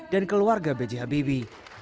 dan keluarga b j habibi